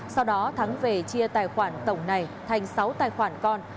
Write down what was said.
sau đó thắng về chia tài khoản tổng này thành sáu tài khoản con